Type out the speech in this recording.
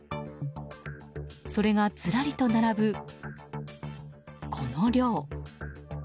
それが、ずらりと並ぶこの量。